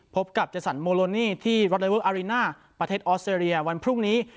พบกับเจสันโมโลนีที่ประเทศออสเตรียวันพรุ่งนี้